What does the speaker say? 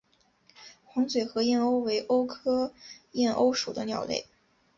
黄嘴河燕鸥为鸥科燕鸥属的鸟类。